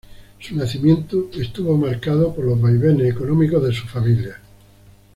Su nacimiento estuvo marcado por los vaivenes económicos de su familia.